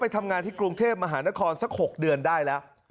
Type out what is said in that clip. ทำงานที่กรุงเทพมหานครสัก๖เดือนได้แล้ว